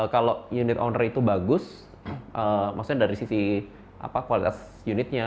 kalau unit owner itu bagus maksudnya dari sisi kualitas unitnya